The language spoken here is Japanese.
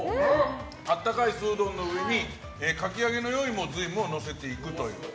温かいすうどんの上にかき揚げのように瑞夢をのせていくと。